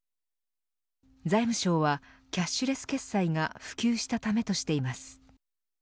財務省は、キャッシュレス決済が普及したためとしています。